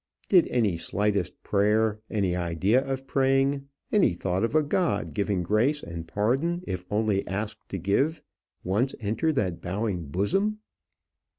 Did any slightest prayer, any idea of praying, any thought of a God giving grace and pardon if only asked to give, once enter that bowing bosom?